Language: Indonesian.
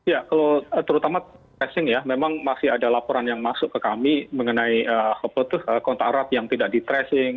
ya kalau terutama testing ya memang masih ada laporan yang masuk ke kami mengenai kontak erat yang tidak di tracing